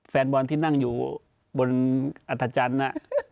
แฟนบอลที่นั่งอยู่บนอัธจันทร์